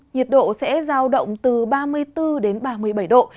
nhiệt độ sẽ giao động từ ba mươi bốn đến ba mươi bảy độ